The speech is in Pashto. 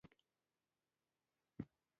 شازِلْمیان، اتڼ باز، سربازان، توره بازان ملګري!